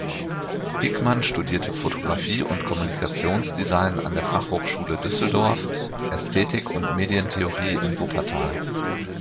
Hickmann studierte Fotografie und Kommunikationsdesign an der Fachhochschule Düsseldorf, Ästhetik und Medientheorie in Wuppertal.